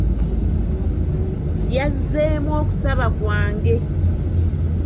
Yazzeemu okusaba kwange.